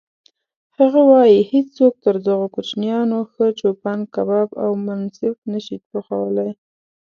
هغه وایي: هیڅوک تر دغو کوچیانو ښه چوپان کباب او منسف نه شي پخولی.